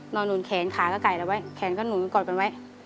หนุนแขนขาก็ไกลแล้วไว้แขนก็หนุนกอดกันไว้